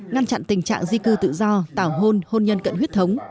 ngăn chặn tình trạng di cư tự do tảo hôn hôn nhân cận huyết thống